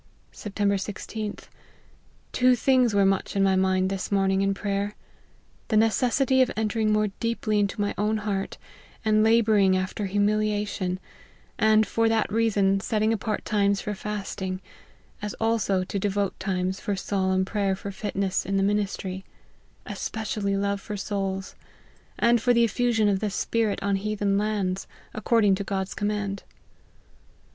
" Sept. 16th. Two things were much in my mind this morning in prayer ; the necessity of en tering more deeply into my own heart, and labour ing after humiliation, and, for that reason, setting apart times for fasting : as also to devote times for solemn prayer for fitness in the ministry ; especial ly love for souls ; and for the effusion of the Spirit on heathen lands ; according to God's command."